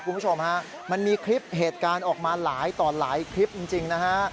คุณผู้ชมฮะมันมีคลิปเหตุการณ์ออกมาหลายต่อหลายคลิปจริงนะฮะ